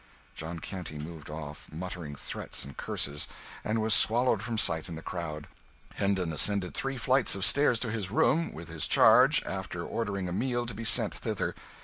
John Canty moved off, muttering threats and curses, and was swallowed from sight in the crowd. Hendon ascended three flights of stairs to his room, with his charge, after ordering a meal to be sent thither.